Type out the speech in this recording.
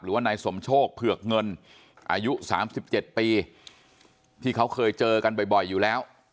หรือว่านายสมโชคเผือกเงินอายุ๓๗ปีที่เขาเคยเจอกันบ่อยอยู่แล้ว